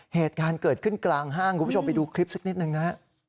เหตุการณ์เกิดขึ้นกลางห้างคุณผู้ชมไปดูคลิปสักนิดหนึ่งนะฮะ